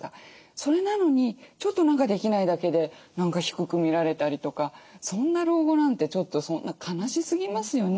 それなのにちょっと何かできないだけで何か低く見られたりとかそんな老後なんてちょっとそんな悲しすぎますよね。